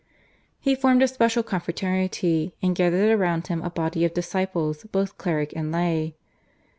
He formed a special confraternity, and gathered around him a body of disciples both cleric and lay.